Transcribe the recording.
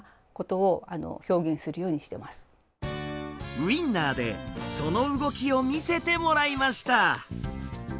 ウインナーでその動きを見せてもらいました。